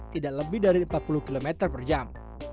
tidak lebih dari empat puluh km per jam